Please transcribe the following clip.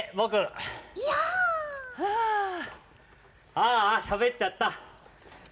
ああしゃべっちゃった。